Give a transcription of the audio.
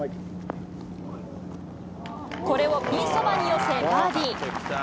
これをピンそばに寄せ、バーディー。